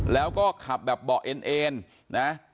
แล้วก็ขับแบบเบาะเอ็นเอ็นนะ